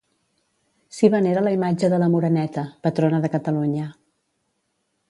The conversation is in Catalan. S'hi venera la imatge de la Moreneta, patrona de Catalunya.